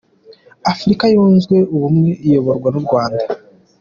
Afurika yunzwe ubumwe iyoborwa n’ u Rwanda.